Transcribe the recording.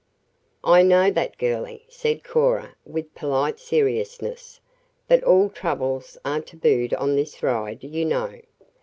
"I know that, girlie," said Cora with polite seriousness, "but all troubles are tabooed on this ride, you know.